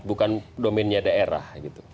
bukan domennya daerah